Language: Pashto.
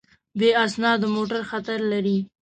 بې اسنادو موټر خطر لري.